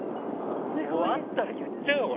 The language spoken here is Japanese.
会ったら言っちゃうよ、俺。